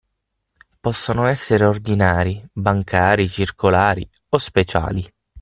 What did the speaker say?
Possono essere ordinari(bancari, circolari) o speciali.